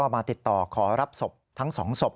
มาติดต่อขอรับศพทั้ง๒ศพ